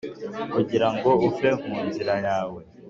kugira ngo uve mu nzira yawe,